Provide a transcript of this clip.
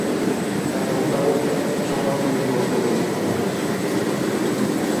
Na segunda volta só un partido tivo as sete dispoñibles.